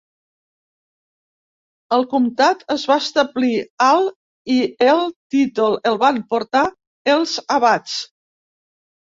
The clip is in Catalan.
El comtat es va establir al i el títol el van portar els abats.